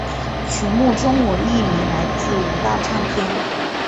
曲目中文译名来自五大唱片。